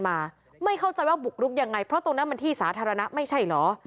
มาไม่เข้าใจว่าบุกรุกยังไงเพราะตรงนั้นมันที่สาธารณะไม่ใช่เหรอ